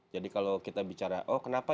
jadi kalau kita bicara oh kenapa